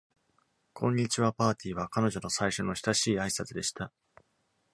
「こんにちは、バーティー」は彼女の最初の親しい挨拶でした。